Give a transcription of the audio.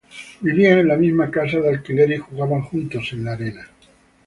Vivían en la misma casa de alquiler y jugaban juntos en la arena.